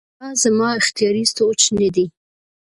چې دا زما اختياري سوچ نۀ دے